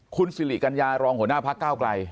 คุณสิริกัญญารองหัวหน้าพักเก้าไกล